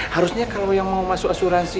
harusnya kalau yang mau masuk asuransi